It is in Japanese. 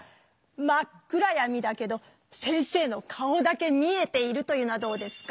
真っ暗やみだけど先生の顔だけ見えているというのはどうですか？